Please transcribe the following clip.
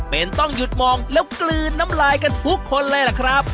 เป็นต้องหยุดมองแล้วกลืนน้ำลายกันทุกคนเลยล่ะครับ